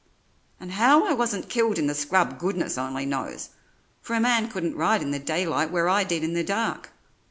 "And how I wasn't killed in the scrub, goodness only knows; for a man couldn't ride in the daylight where I did in the dark.